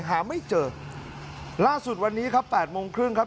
หาไม่เจอล่าสุดวันนี้ครับแปดโมงครึ่งครับ